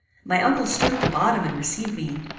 My uncle stood at the bottom and received me.